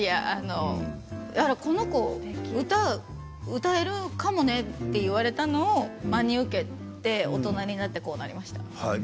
この子歌、歌えるかもねと言われたのを真に受けて、大人になってこうなりました。